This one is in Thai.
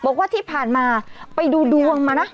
บอกว่าที่ผ่านมาไปดูดวงมานะ